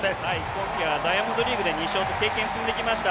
今季はダイヤモンドリーグで２勝と経験を積んできました。